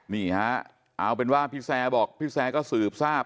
นี่ฮะเอาเป็นว่าพี่แซร์บอกพี่แซร์ก็สืบทราบ